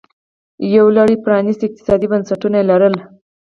یو لړ پرانیستي اقتصادي بنسټونه یې لرل